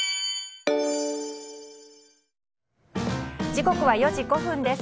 時刻は４時５分です。